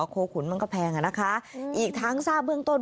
โคขุนมันก็แพงอ่ะนะคะอีกทั้งทราบเบื้องต้น